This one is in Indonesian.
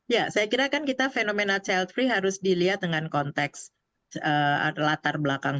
ya saya kira kan kita fenomena child free harus dilihat dengan konteks latar belakang